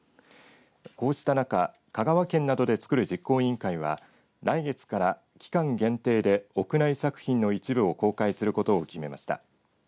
こうした中、香川県などでつくる実行委員会は来月から期間限定で屋内作品の一部を公開することを決めました。